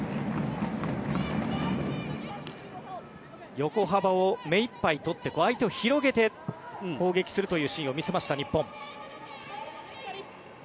横幅を目いっぱい取って相手を広げて攻撃するというシーンを見せました日本。